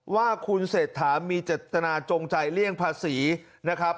ว่าคุณเศรษฐามีเจตนาจงใจเลี่ยงภาษีนะครับ